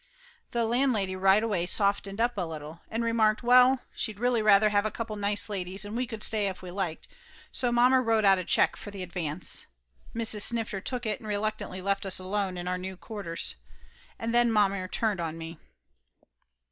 The landlady right away softened up a little and re marked well, she'd really rather have a couple of .nice ladies and we could stay if we liked, so mommer wrote out a check for the advance, Mrs. Snifter took it and reluctantly left us alone in our new quarters, and then mommer turned on me.